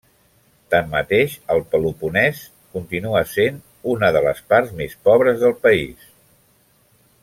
Tanmateix, el Peloponès continua sent una de les parts més pobres del país.